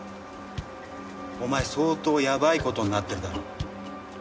お前相当やばい事になってるだろ？